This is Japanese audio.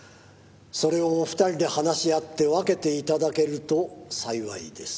「それをお二人で話し合って分けて頂けると幸いです」